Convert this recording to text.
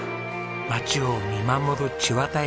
町を見守る千綿駅。